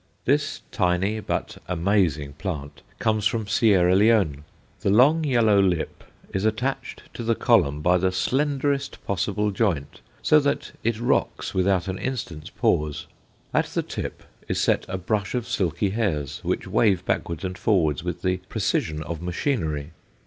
This tiny but amazing plant comes from Sierra Leone. The long yellow lip is attached to the column by the slenderest possible joint, so that it rocks without an instant's pause. At the tip is set a brush of silky hairs, which wave backwards and forwards with the precision of machinery.